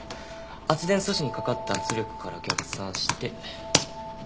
圧電素子にかかった圧力から逆算して。